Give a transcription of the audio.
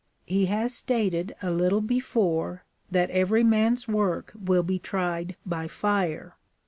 He has stated a little before, that every man's work will be tried by fire.